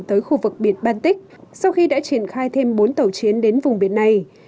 tới khu vực biển baltic sau khi đã triển khai thêm bốn tàu chiến đến vùng biển này